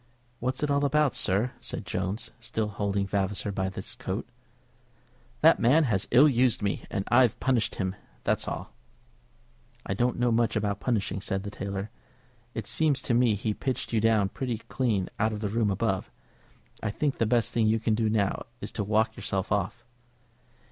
"What's it all about, sir?" said Jones, still holding Vavasor by his coat. "That man has ill used me, and I've punished him; that's all." "I don't know much about punishing," said the tailor. "It seems to me he pitched you down pretty clean out of the room above. I think the best thing you can do now is to walk yourself off."